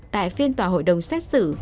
tại phiên tòa hội đồng xét xử